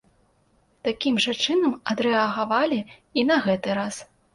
Такім жа чынам адрэагавалі і на гэты раз.